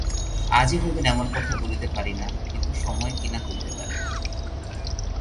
আজই হইবেন এমন কথা বলিতে পারি না, কিন্তু সময়ে কী না হইতে পারে।